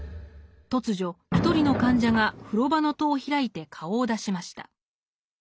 突如一人の患者が風呂場の戸を開いて顔を出しました。